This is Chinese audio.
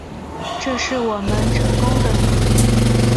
这是我们成功的秘密